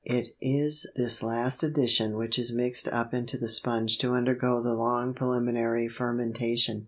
It is this last addition which is mixed up into the sponge to undergo the long preliminary fermentation.